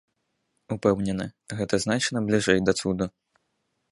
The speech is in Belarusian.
Упэўнены, гэта значна бліжэй да цуду.